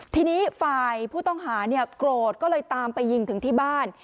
ทีนี้ฝ่ายผู้ต้องหาเนี่ยโกรธก็เลยตามไปยิงถึงที่บ้าน